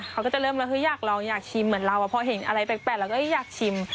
เขาก็จะเริ่มแล้วอยากลองอยากชิมเหมือนเราพอเห็นอะไรแปลกเราก็อยากชิม